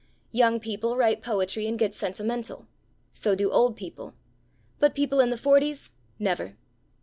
Young people write poetry and get sentimental: so do old people. But people in the forties never!